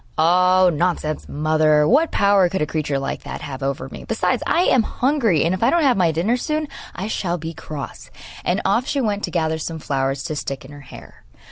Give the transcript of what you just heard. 'Oh, nonsense, mother; what power could a creature like that have over me? Besides, I am hungry, and if I don't have my dinner soon, I shall be cross.' And off she went to gather some flowers to stick in her hair.